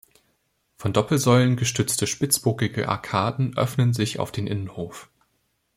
Von Doppelsäulen gestützte spitzbogige Arkaden öffnen sich auf den Innenhof.